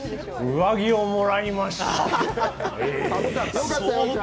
上着をもらいました。